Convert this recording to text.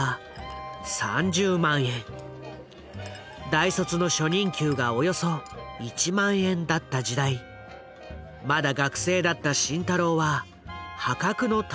大卒の初任給がおよそ１万円だった時代まだ学生だった慎太郎は破格の待遇と喜んだ。